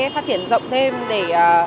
phát triển rộng thêm để